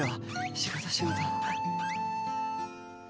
仕事仕事。